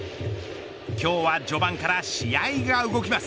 今日は序盤から試合が動きます。